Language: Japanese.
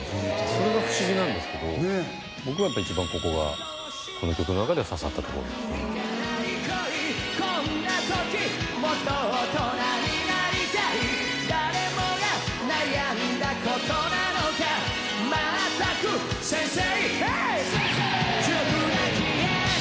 それが不思議なんですけど僕は一番ここがこの曲の中では刺さったところですね先生！